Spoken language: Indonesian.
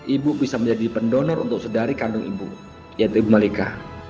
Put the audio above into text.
ibu bisa menjadi pendonor untuk sedari kandung ibu yaitu ibu malika